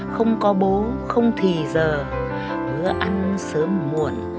không có bố không thì giờ bữa ăn sớm muộn